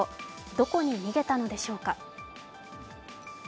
どこに逃げたのでしょうか。